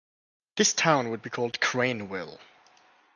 This town would be called Crainville.